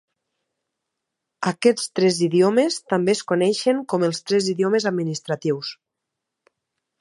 Aquests tres idiomes també es coneixen com els tres idiomes administratius.